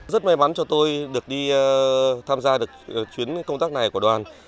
rất may mắn cho tôi được đi tham gia được chuyến công tác này của đoàn